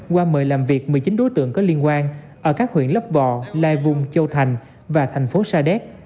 qua mời làm việc một mươi chín đối tượng có liên quan ở các huyện lấp vò lai vung châu thành và thành phố sa đéc